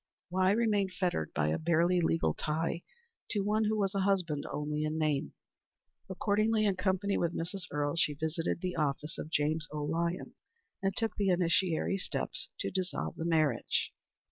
Why remain fettered by a bare legal tie to one who was a husband only in name? Accordingly, in company with Mrs. Earle, she visited the office of James O. Lyons, and took the initiatory steps to dissolve the marriage.